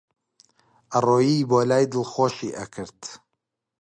ئەڕۆیی بۆلای دڵخۆشی ئەکرد